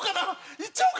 いっちゃおうかな？